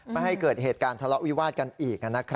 ไม่ให้เกิดเหตุการณ์ทะเลาะวิวาสกันอีก